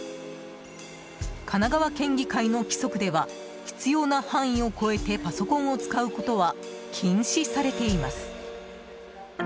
神奈川県議会の規則では必要な範囲を超えてパソコンを使うことは禁止されています。